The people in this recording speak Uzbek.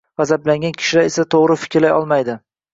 G‘azablangan kishilar esa to‘g‘ri fikrlay olmaydi